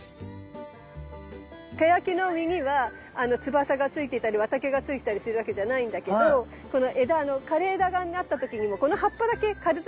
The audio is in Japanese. ケヤキの実には翼がついていたり綿毛がついていたりするわけじゃないんだけど枯れ枝になった時にもこの葉っぱだけ枯れた葉っぱが残ってるわけ。